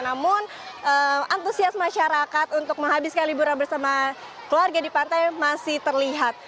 namun antusias masyarakat untuk menghabiskan liburan bersama keluarga di pantai masih terlihat